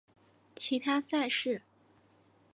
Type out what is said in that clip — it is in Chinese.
其他赛事